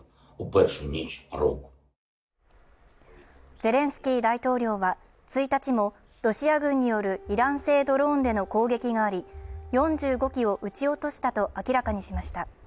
ゼレンスキー大統領は１日もロシア軍によるイラン製ドローンでの攻撃があり、４５機を撃ち落としたと明らかにしました。